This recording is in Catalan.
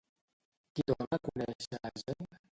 Qui dona a conèixer la gent?